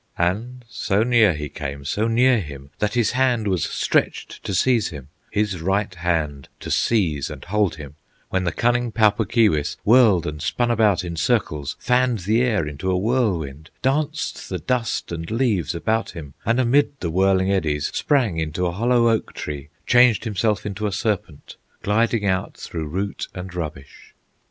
And so near he came, so near him, That his hand was stretched to seize him, His right hand to seize and hold him, When the cunning Pau Puk Keewis Whirled and spun about in circles, Fanned the air into a whirlwind, Danced the dust and leaves about him, And amid the whirling eddies Sprang into a hollow oak tree, Changed himself into a serpent, Gliding out through root and rubbish.